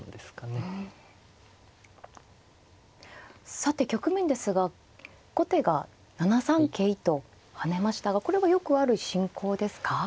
さて局面ですが後手が７三桂と跳ねましたがこれはよくある進行ですか。